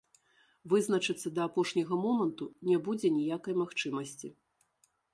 Вызначыцца да апошняга моманту не будзе ніякай магчымасці.